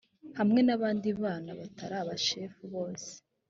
hamwe n abandi bana batari aba bashefu bose